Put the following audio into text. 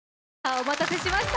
お待たせしました！